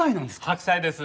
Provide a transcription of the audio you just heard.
白菜です。